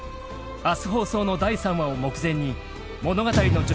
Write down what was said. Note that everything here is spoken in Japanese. ［明日放送の第３話を目前に物語の］